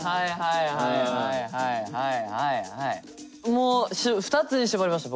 もう２つに絞れました